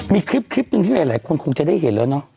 มีคลิปหนึ่งที่หลายคนคงจะได้เห็นแล้วเนอะ